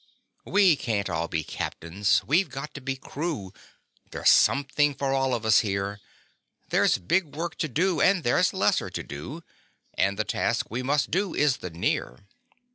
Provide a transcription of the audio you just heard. We can't all be captains, we've got to be crew, There's something for all of us here. There's big work to do and there's lesser to do, And the task we must do is the near.